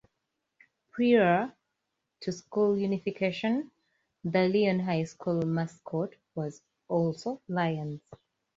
Prior to school unification, the Leon High School mascot was also Lions.